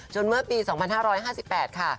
เมื่อปี๒๕๕๘ค่ะ